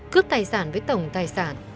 cướp tài sản với tổng tài sản